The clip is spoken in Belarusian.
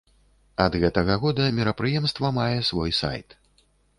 Ад гэтага года мерапрыемства мае свой сайт.